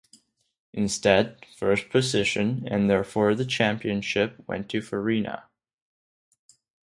Instead, first position and therefore the championship went to Farina.